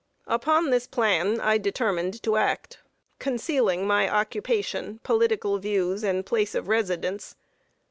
Upon this plan I determined to act concealing my occupation, political views, and place of residence.